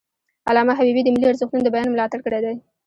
علامه حبیبي د ملي ارزښتونو د بیان ملاتړ کړی دی.